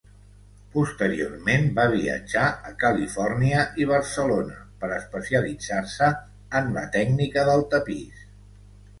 Posteriorment va viatjar a Califòrnia i Barcelona per especialitzar-se en la tècnica del tapís.